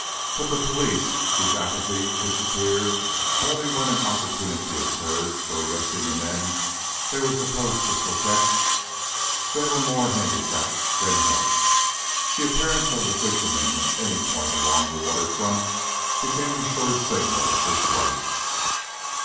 By the police, whose apathy disappeared only when an opportunity occurred of arresting the men they were supposed to protect, they were more handicapped than helped. The appearance of a fisherman at any point along the water front became a sure signal for strife.